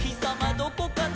どこかな？」